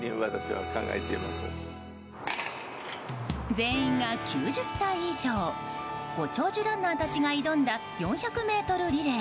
全員が９０歳以上ご長寿ランナーたちが挑んだ４００ｍリレー。